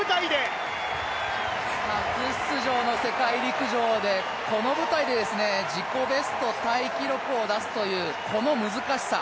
初出場の世界陸上で、この舞台で自己ベストタイ記録を出すという、この難しさ。